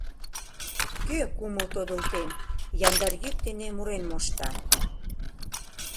Кӧ, кумыл тодылтен, яндар йӱк дене мурен мошта?